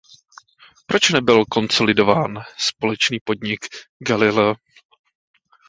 Proč nebyl konsolidován společný podnik Galileo?